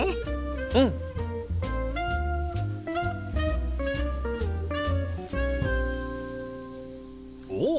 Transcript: うん！おっ！